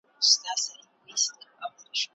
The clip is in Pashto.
تاسي په ژوند کي د مرګ یاد څنګه تازه کوئ؟